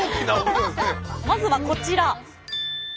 まずはこちら。